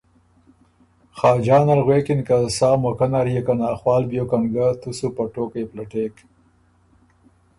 خاجان ال غوېکِن که ”سا موقع نر يې که ناخوال بیوکن ګۀ، تُو سُو په ټوقئ پلټېک“